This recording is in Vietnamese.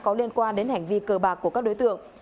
có liên quan đến hành vi cờ bạc của các đối tượng